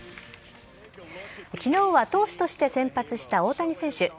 きのうは投手として先発した大谷選手。